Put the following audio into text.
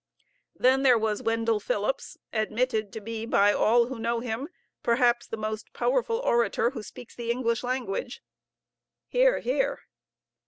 Then there was Wendell Phillips, admitted to be by all who know him perhaps the most powerful orator who speaks the English language. (Hear, hear.)